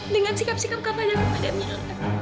dengan sikap sikap kak fadil kepada mila